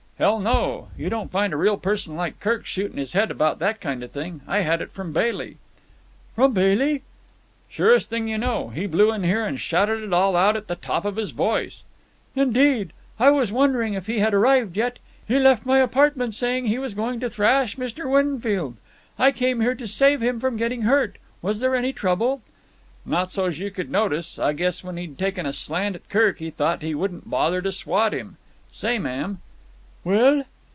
"Hell, no! You don't find a real person like Kirk shooting his head about that kind of thing. I had it from Bailey." "From Bailey?" "Surest thing you know. He blew in here and shouted it all out at the top of his voice." "Indeed! I was wondering if he had arrived yet. He left my apartment saying he was going to thrash Mr. Winfield. I came here to save him from getting hurt. Was there any trouble?" "Not so's you could notice it. I guess when he'd taken a slant at Kirk he thought he wouldn't bother to swat him. Say, ma'am—" "Well?"